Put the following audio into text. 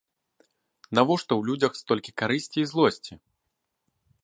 Навошта ў людзях столькі карысці і злосці?